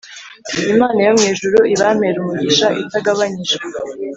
Imana yo mwijuru ibampere umugisha utagabanyije